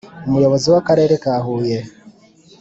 Umuyobozi w’Akarere ka Huye,